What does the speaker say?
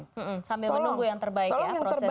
hmm sambil menunggu yang terbaik ya prosesnya ya